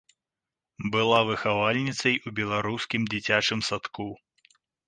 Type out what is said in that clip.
Была выхавальніцай у беларускім дзіцячым садку.